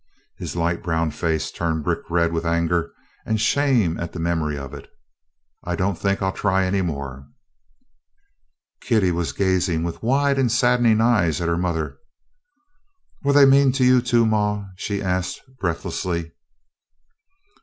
His light brown face turned brick red with anger and shame at the memory of it. "I don't think I 'll try any more." Kitty was gazing with wide and saddening eyes at her mother. "Were they mean to you too, ma?" she asked breathlessly.